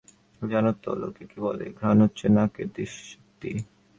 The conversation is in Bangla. জানো তো লোকে কী বলে, ঘ্রাণ হচ্ছে নাকের দৃষ্টিশক্তি।